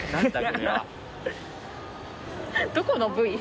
「どこの部位」？